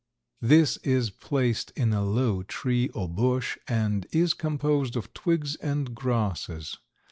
This is placed in a low tree or bush and is composed of twigs and grasses.